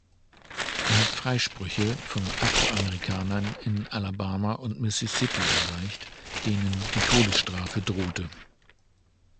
Er hat Freisprüche von Afroamerikanern in Alabama und Mississippi erreicht, denen die Todesstrafe drohte.